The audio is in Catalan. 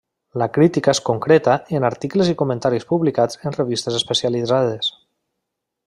La crítica es concreta en articles i comentaris publicats en revistes especialitzades.